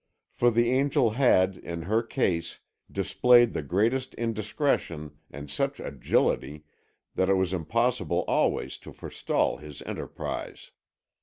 For the angel had, in her case, displayed the greatest indiscretion, and such agility that it was impossible always to forestall his enterprise.